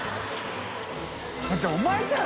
だってお前じゃん！